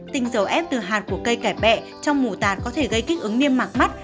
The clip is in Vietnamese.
tinh dầu ép từ hạt của cây cải bẹ trong mù tạt có thể gây kích ứng mạc mắt